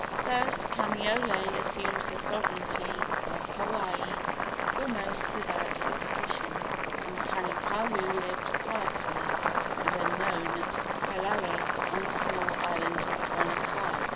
Thus Kamaiole assumed the sovereignty of Hawaii almost without opposition, and Kanipahu lived quietly and unknown at Kalae, on the small island of Molokai.